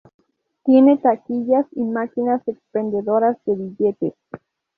Tiene taquillas y máquinas expendedoras de billetes.